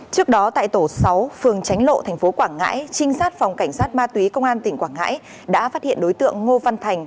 trước đó tại tổ sáu phường tránh lộ tp quảng ngãi trinh sát phòng cảnh sát ma túy công an tỉnh quảng ngãi đã phát hiện đối tượng ngô văn thành